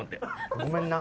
ごめんな。